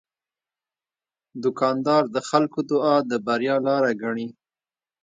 دوکاندار د خلکو دعا د بریا لاره ګڼي.